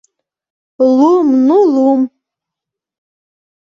Лум — ну лум.